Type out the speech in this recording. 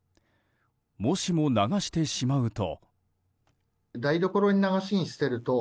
もしも流してしまうと。